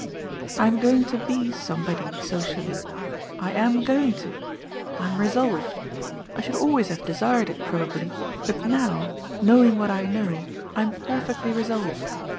I am going to be somebody socially. I am going to. I am resolved. I should always have desired it, probably, but now, knowing what I know, I am perfectly resolved.